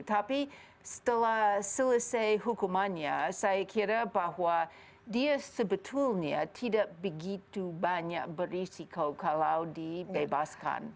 tapi setelah selesai hukumannya saya kira bahwa dia sebetulnya tidak begitu banyak berisiko kalau dibebaskan